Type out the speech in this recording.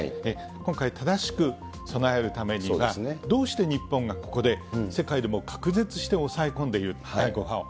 今回、正しく備えるためには、どうして日本がここで、世界でも隔絶して抑え込んでいる、第５波を。